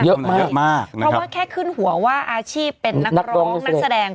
เยอะมากมากเพราะว่าแค่ขึ้นหัวว่าอาชีพเป็นนักร้องนักแสดง